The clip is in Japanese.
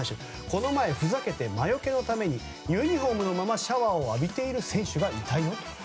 この前ふざけて魔よけのためにユニホームのままシャワーを浴びている選手がいたよ。